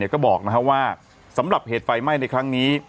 ก็บอกว่าสำหรับเหตุไฟไหม้ในครั้งนี้